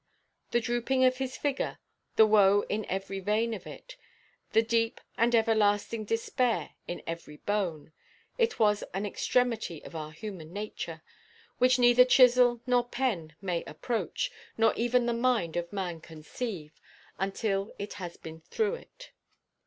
The drooping of his figure, the woe in every vein of it, the deep and everlasting despair in every bone—it was an extremity of our human nature, which neither chisel nor pen may approach, nor even the mind of man conceive, until it has been through it.